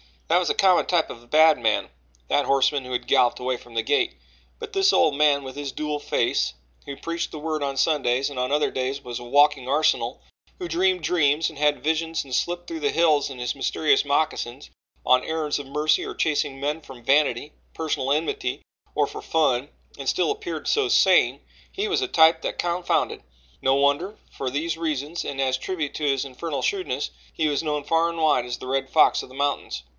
That was a common type of the bad man, that horseman who had galloped away from the gate but this old man with his dual face, who preached the Word on Sundays and on other days was a walking arsenal; who dreamed dreams and had visions and slipped through the hills in his mysterious moccasins on errands of mercy or chasing men from vanity, personal enmity or for fun, and still appeared so sane he was a type that confounded. No wonder for these reasons and as a tribute to his infernal shrewdness he was known far and wide as the Red Fox of the Mountains.